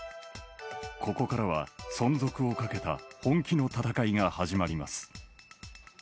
ここからは存続をかけた本気の戦いが始まります。